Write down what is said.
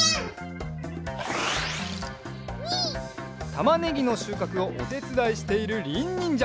たまねぎのしゅうかくをおてつだいしているりんにんじゃ。